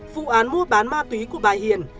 vụ án mua bán ma túy của bà hiền